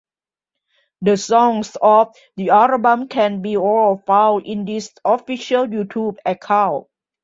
The songs of the album can be all found in his official “YouTube” account.